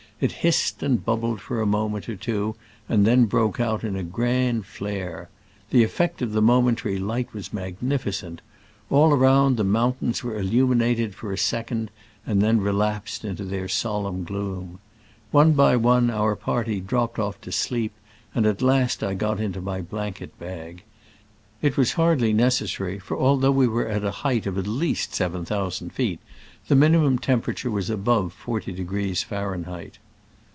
It hissed and bubbled for a moment or two, and, then broke out into a grand flare. The effect of the momentary light was magnificent: all around the mountains were illuminated for a sec ond, and then relapsed into their solemn gloom. One by one our party dropped off to sleep, and at last I got into my blanket bag. It was hardly necessary, for although we were at a height of at least seven thousand feet, the minimum temperature was above 40° Fahrenheit.